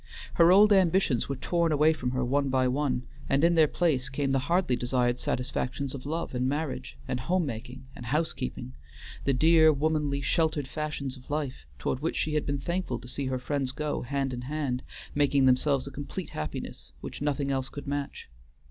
Her old ambitions were torn away from her one by one, and in their place came the hardly desired satisfactions of love and marriage, and home making and housekeeping, the dear, womanly, sheltered fashions of life, toward which she had been thankful to see her friends go hand in hand, making themselves a complete happiness which nothing else could match.